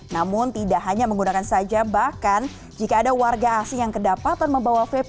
namun tidak hanya menggunakan saja bahkan jika ada warga asing yang kedapatan membawa vp